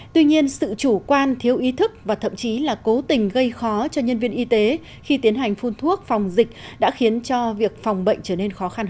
tuy nhiên sự chủ quan thiếu ý thức và thậm chí là cố tình gây khó cho nhân viên y tế khi tiến hành phun thuốc phòng dịch đã khiến cho việc phòng bệnh trở nên khó khăn hơn